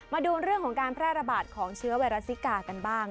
มาดูเรื่องของการแพร่ระบาดของเชื้อไวรัสซิกากันบ้าง